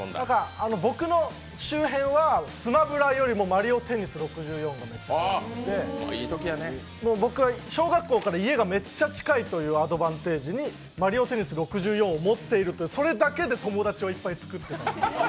僕の周辺は「スマブラ」よりも「マリオテニス６４」がめっちゃはやっていて、僕が小学校から家がめっちゃ近いというアドバンテージに「マリオテニス６４」を持ってるというそれだけで友達をいっぱい作ってたんで。